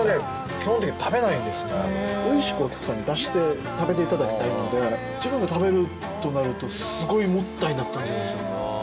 おいしくお客さんに出して食べていただきたいので自分で食べるとなるとすごいもったいなく感じるんですよ。